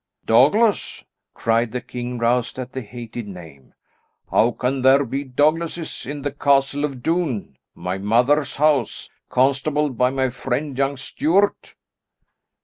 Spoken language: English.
"Douglas!" cried the king roused at the hated name. "How can there be Douglases in the Castle of Doune; my mother's house, constabled by my friend, young Stuart."